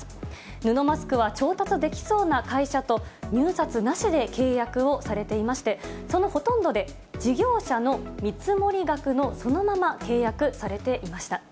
布マスクは調達できそうな会社と入札なしで契約をされていまして、そのほとんどで、事業者の見積もり額のそのまま契約されていました。